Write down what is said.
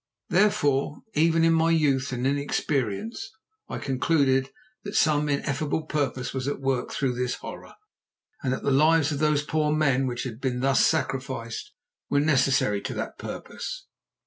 Therefore even in my youth and inexperience I concluded that some ineffable purpose was at work through this horror, and that the lives of those poor men which had been thus sacrificed were necessary to that purpose.